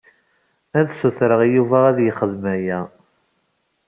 Ad sutreɣ i Yuba ad yexdem aya.